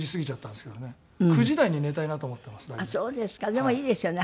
でもいいですよね